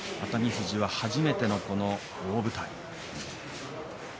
富士は初めてのこの大舞台。